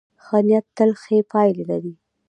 ښه نیت تل ښې پایلې لري.